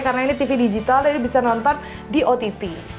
karena ini tv digital jadi bisa nonton di ott